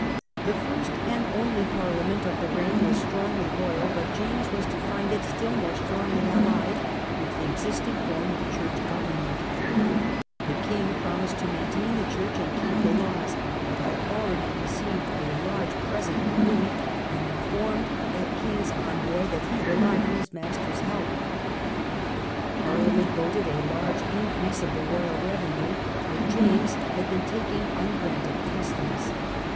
The first and only Parliament of the reign was strongly loyal, but James was to find it still more strongly allied First meeting ^^^^^ existing form of church government, of Parliament. The king promised to maintain the church May, 1685. ^^^ j^^^p ^1^^ \2C9f%^ but had already received a large present from Louis, and informed that king's envoy that he relied on his master's help. Parliament voted a large increase of the royal revenue, though James had been taking ungranted customs.